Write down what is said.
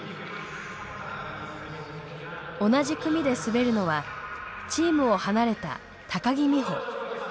同じ組で滑るのはチームを離れた木美帆。